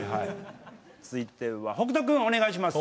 続いては北斗君お願いします。